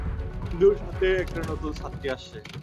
ইন্দুর সাথে একটা নতুন ছাত্রী আসছে।